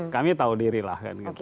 kami tahu diri lah